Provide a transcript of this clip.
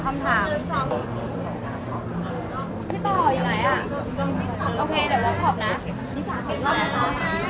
อันนี้มันเป็นอันนที่เกี่ยวกับเมืองที่เราอยู่ในประเทศอเมริกา